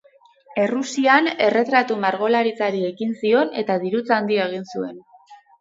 Errusian erretratu margolaritzari ekin zion eta dirutza handia egin zuen.